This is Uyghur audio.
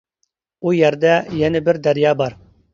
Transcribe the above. ئۇ يەردە يەنە بىر دەريا بار.